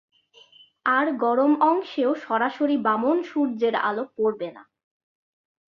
আর গরম অংশেও সরাসরি বামন সূর্যের আলো পরবে না।